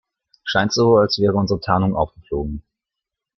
Scheint so, als wäre unsere Tarnung aufgeflogen.